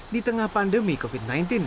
di tengah pandemi covid sembilan belas